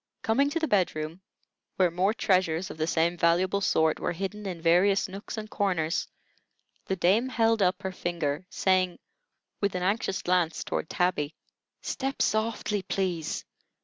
Coming to the bed room, where more treasures of the same valuable sort were hidden in various nooks and corners, the dame held up her finger, saying, with an anxious glance toward Tabby: "Step softly, please.